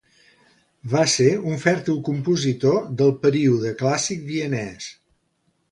Va ser un fèrtil compositor del període clàssic vienès.